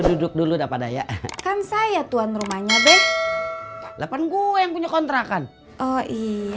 duduk dulu dapat daya kan saya tuan rumahnya deh lepas gue yang punya kontrakan oh iya